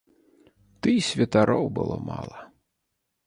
Дый святароў было мала.